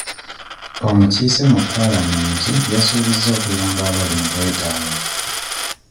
Omukiise mu paalamenti yasuubiza okuyamba abali mu bwetaavu.